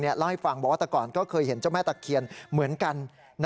เล่าให้ฟังบอกว่าแต่ก่อนก็เคยเห็นเจ้าแม่ตะเคียนเหมือนกัน